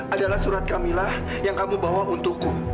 adalah surat kamilah yang kamu bawa untukku